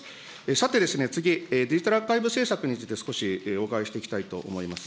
さて、次、デジタルアーカイブ政策について少しお伺いしていきたいと思います。